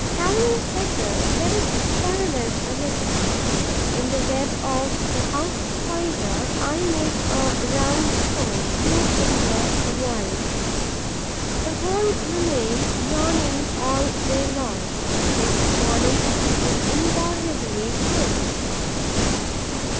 Having said this, let us experiment a little. In the web of the House Spider, I make a round hole, two fingers wide. The hole remains yawning all day long; but next morning it is invariably closed.